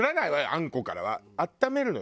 あんこからは。